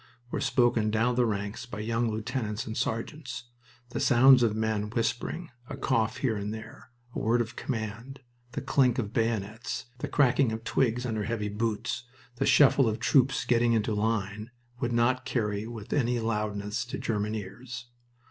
were spoken down the ranks by young lieutenants and sergeants. The sounds of men whispering, a cough here and there, a word of command, the clink of bayonets, the cracking of twigs under heavy boots, the shuffle of troops getting into line, would not carry with any loudness to German ears.